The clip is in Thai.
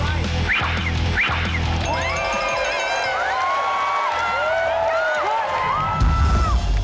เร็วเร็ว